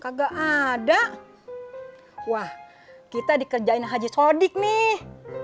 kagak ada wah kita dikerjain haji sodik nih